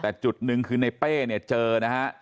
แต่จุดหนึ่งคือในเป้เนี่ยเจอนะฮะ